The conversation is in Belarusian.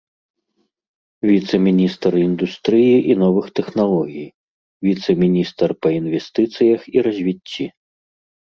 Віцэ-міністр індустрыі і новых тэхналогій, віцэ-міністр па інвестыцыях і развіцці.